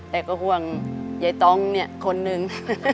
แต่ก็ห่วงใยต้องเนี่ยคนนึง